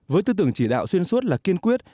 với tư tưởng chỉ đạo xuyên suốt là kiên quyết